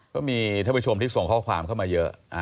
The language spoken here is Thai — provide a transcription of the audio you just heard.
ก็มีท่านผู้ชมที่ส่งข้อความเข้ามาเยอะ